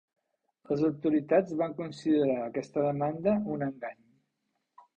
Les autoritats van considerar aquesta demanda un engany.